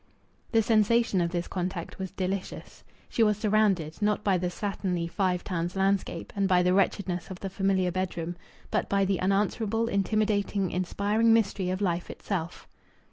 The sensation of this contact was delicious. She was surrounded, not by the slatternly Five Towns landscape and by the wretchedness of the familiar bedroom, but by the unanswerable, intimidating, inspiring mystery of life itself.